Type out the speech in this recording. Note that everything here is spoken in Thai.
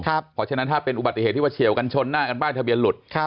เพราะฉะนั้นถ้าเป็นอุบัติเหตุที่ว่าเฉียวกันชนหน้ากันป้ายทะเบียนหลุด